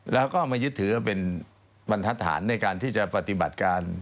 แล้วก็มายึดถือว่าเป็นบรรทัศนในการที่จะปฏิบัติการ